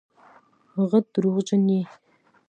غټ دروغجن یې